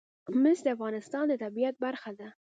مس د افغانستان د طبیعت برخه ده.